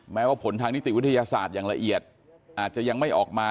แม้ว่าผลทางนิติวิทยาศาสตร์อย่างละเอียดอาจจะยังไม่ออกมา